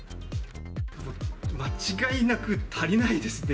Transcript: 間違いなく足りないですね。